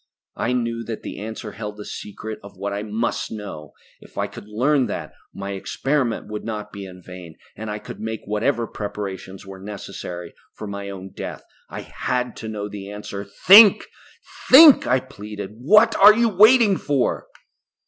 I knew that the answer held the secret of what I must know. If I could learn that, my experiment would not be in vain, and I could make whatever preparations were necessary for my own death. I had to know that answer. "Think! Think!" I pleaded. "What are you waiting for?"